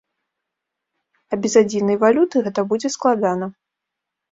А без адзінай валюты гэта будзе складана.